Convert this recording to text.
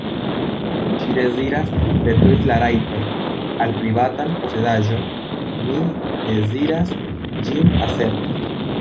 Ŝi deziras detrui la rajton al privatan posedaĵon, mi deziras ĝin aserti.